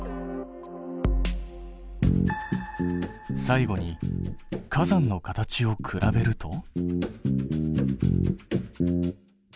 最後に火山の形を比べると。